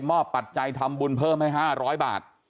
ปัจจัยทำบุญเพิ่มให้๕๐๐บาท